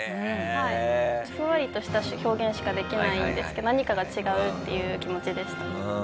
ふんわりとした表現しかできないんですけど何かが違うっていう気持ちでした。